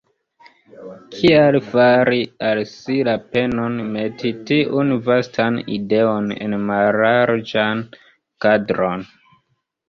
Kial fari al si la penon meti tiun vastan ideon en mallarĝan kadron?